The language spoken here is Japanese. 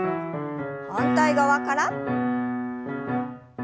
反対側から。